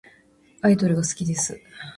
アイドルが好きです。